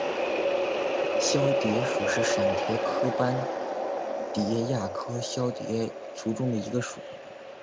绡蝶属是蛱蝶科斑蝶亚科绡蝶族中的一个属。